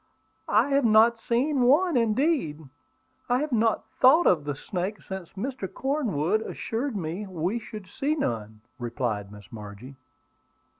"I have not seen one; indeed, I have not thought of the snakes since Mr. Cornwood assured me we should see none," replied Miss Margie.